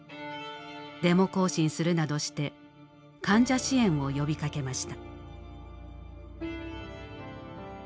デモ行進するなどして患者支援を呼びかけました。